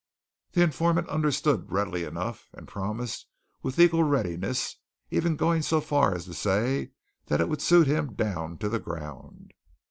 The informant understood readily enough, and promised with equal readiness, even going so far as to say that that would suit him down to the ground.